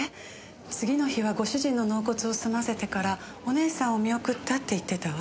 次の日はご主人の納骨を済ませてからお義姉さんを見送ったって言ってたわ。